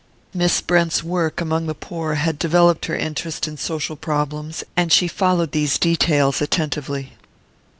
Miss Brent's work among the poor had developed her interest in social problems, and she followed these details attentively.